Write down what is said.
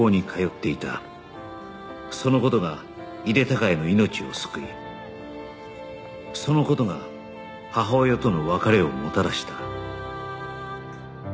その事が井手孝也の命を救いその事が母親との別れをもたらした